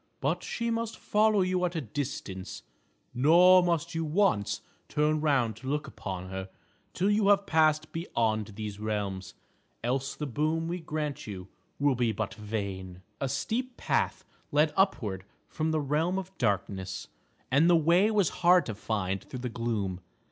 But she must follow you at a distance, nor must you once turn round to look upon her till you have passed beyond these realms. Else the boon we grant you will be but vain." A steep path led upward from the realm of darkness, and the way was hard to find through the gloom.